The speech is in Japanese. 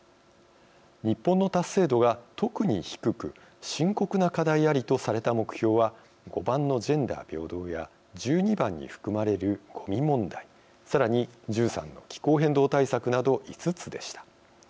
日本の達成度が特に低く深刻な課題ありとされた目標は５番の「ジェンダー平等」や１２番に含まれる「ごみ問題」さらに１３の「気候変動対策」など５つでした。